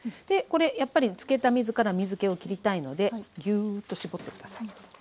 でこれやっぱりつけた水から水けを切りたいのでぎゅっと絞って下さい。